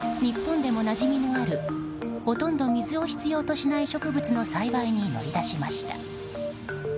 これ以上の被害を防ぐため地元当局は日本でもなじみのあるほとんど水を必要としない植物の栽培に乗り出しました。